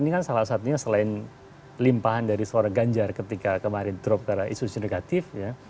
ini kan salah satunya selain limpahan dari seorang ganjar ketika kemarin drop karena isu isu negatif ya